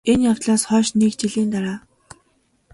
энэ явдлаас хойш НЭГ жилийн дараа